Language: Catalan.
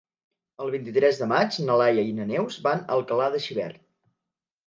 El vint-i-tres de maig na Laia i na Neus van a Alcalà de Xivert.